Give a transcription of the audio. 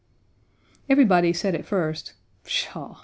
Everybody said at first, "Pshaw!